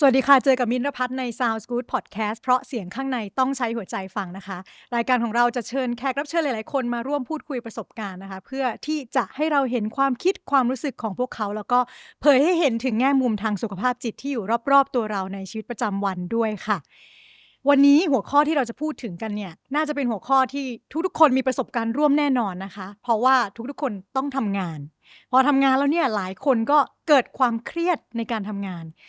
ทำงานแล้วเนี่ยหลายคนก็เกิดความเครียดในการทำงาน